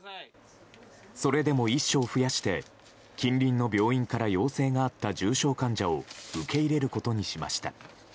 それでも１床増やして近隣の病院から要請があった重症患者を受け入れることにしました。